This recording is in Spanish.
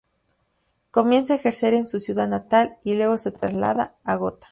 Comienza a ejercer en su ciudad natal, y luego se traslada a Gotha.